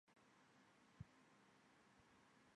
洪武二十七年甲戌科进士。